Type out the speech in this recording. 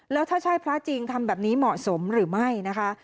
แล้วถ้าใช่พระจริงทำแบบนี้เหมาะสมหรือไม่นะคะ